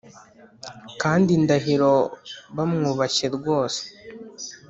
kandi indahiro bamwubashye rwose.